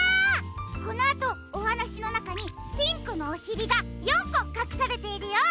このあとおはなしのなかにピンクのおしりが４こかくされているよ。